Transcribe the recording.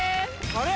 あれ？